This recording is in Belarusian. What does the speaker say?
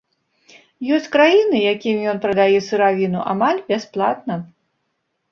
Ёсць краіны, якім ён прадае сыравіну амаль бясплатна.